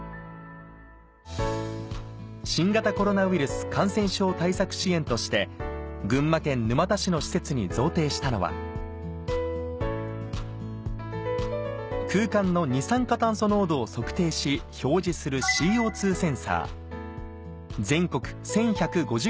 新型コロナウイルス感染症対策支援として群馬県沼田市の施設に贈呈したのは空間の二酸化炭素濃度を測定し表示するＣＯセンサー全国１１５０